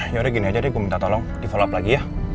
yaudah gini aja deh aku minta tolong di follow up lagi ya